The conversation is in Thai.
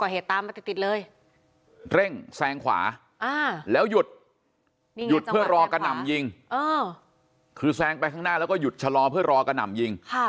หยุดเพื่อรอกระหน่ำยิงคือแซงไปข้างหน้าแล้วก็หยุดชะลอเพื่อรอกระหน่ำยิง